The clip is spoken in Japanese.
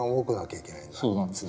そうなんです。